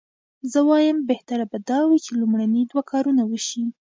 زه وایم بهتره به دا وي چې لومړني دوه کارونه وشي.